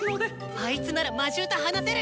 あいつなら魔獣と話せる！